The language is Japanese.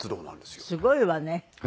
すごいわね。